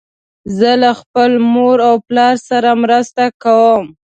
زه له خپل مور او پلار سره مرسته کوم.